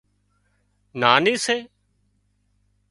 ناني سي